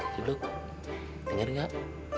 sibuk denger gak